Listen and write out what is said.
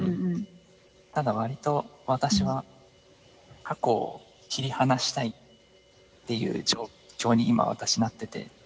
ただわりと私は過去を切り離したいっていう状況に今私なってて。